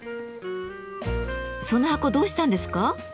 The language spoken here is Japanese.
その箱どうしたんですか？